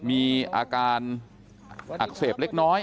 พี่สาวอายุ๗ขวบก็ดูแลน้องดีเหลือเกิน